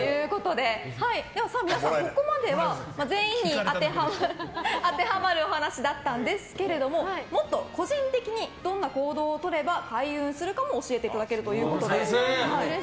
皆さん、ここまでは全員に当てはまるお話だったんですがもっと個人的にどんな行動をとれば開運するかも教えていただけるということです。